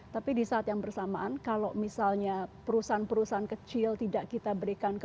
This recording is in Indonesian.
tapi di saat yang bersamaan kalau misalnya perusahaan perusahaan kecil tidak kita berikan